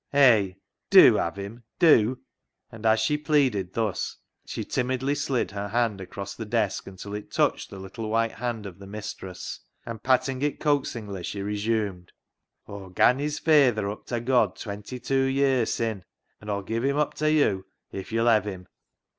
Hay ! dew have him, dew !" And as she pleaded thus, she timidly slid her hand across the desk until it touched the little white hand of the mistress, and patting it coaxingly, she resumed — "Aw gan his fayther up ta God twenty two ye'r sin', an' Aw'll give him up ta yo' — if — yo'll hev him."